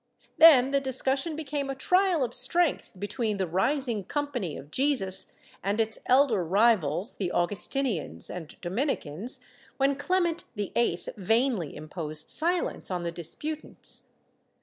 Then the discussion became a trial of strength between the rising Company of Jesus and its elder rivals, the Augustinians and Dominicans, when Clement VIII vainly imposed silence on the disputants.